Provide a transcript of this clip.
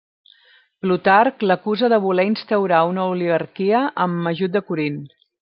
Plutarc l'acusa de voler instaurar una oligarquia amb ajut de Corint.